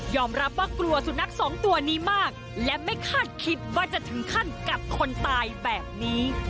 รับว่ากลัวสุนัขสองตัวนี้มากและไม่คาดคิดว่าจะถึงขั้นกัดคนตายแบบนี้